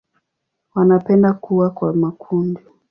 Wanapenda kuwa kwa makundi.